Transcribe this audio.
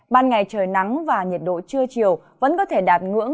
ban ngày trời nắng và nhiệt độ chưa chiều vẫn có thể đạt ngươi